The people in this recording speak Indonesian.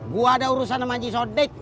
gua ada urusan sama haji sodik